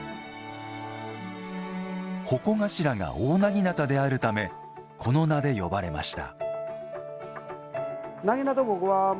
鉾頭が大長刀であるためこの名で呼ばれました。